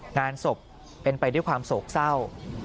งานศพเป็นไปด้วยความโศกเศร้า